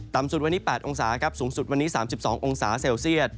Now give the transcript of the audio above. สุดวันนี้๘องศาครับสูงสุดวันนี้๓๒องศาเซลเซียต